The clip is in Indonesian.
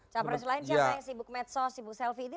capres lain siapa yang sibuk medsos sibuk selfie ini